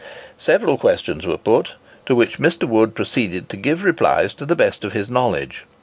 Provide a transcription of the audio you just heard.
Several questions were put, to which Mr. Wood proceeded to give replies to the best of his knowledge.